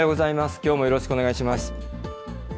きょうもよろしくお願いします。